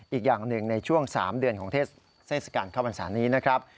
อีกอย่างหนึ่งในช่วง๓เดือนของเทศกาลเข้าพรรษานี้นะครับ